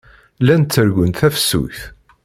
Llant ttargunt tafsut.